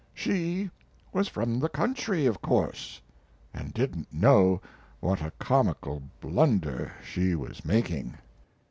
She was from the country, of course, and didn't know what a comical blunder. she was making.